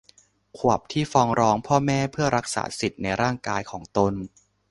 ขวบที่ฟ้องร้องพ่อแม่เพื่อรักษาสิทธิ์ในร่างกายของตน